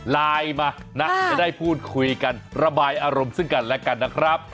ไลน์มานะจะได้พูดคุยกันระบายอารมณ์ซึ่งกันและกันนะครับ